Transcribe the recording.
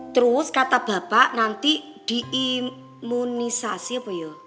terus kata bapak nanti diimunisasi apa yuk